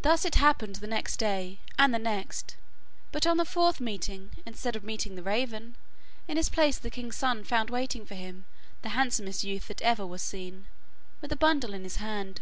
Thus it happened the next day, and the next, but on the fourth meeting, instead of meeting the raven, in his place the king's son found waiting for him the handsomest youth that ever was seen, with a bundle in his hand.